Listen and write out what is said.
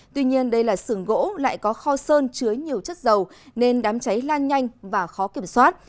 tuy nhiên đây là sườn gỗ lại có kho sơn chứa nhiều chất dầu nên đám cháy lan nhanh và khó kiểm soát